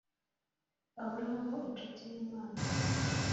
aburahamu, incuti yim ana